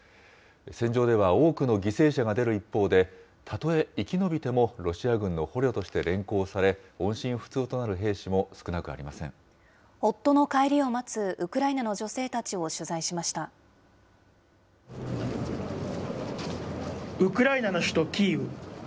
戦場では多くの犠牲者が出る一方で、たとえ生き延びても、ロシア軍の捕虜として連行され、音信不夫の帰りを待つウクライナのウクライナの首都キーウ。